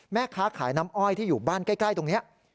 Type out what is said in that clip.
แม่ค้าขายน้ำอ้อยที่อยู่บ้านใกล้ตรงนี้